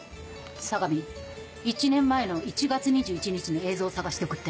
相模１年前の１月２１日の映像を探して送って。